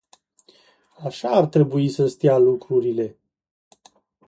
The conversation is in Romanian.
Așa ar trebui să stea lucrurile.